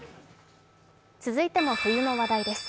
続いても冬の話題です。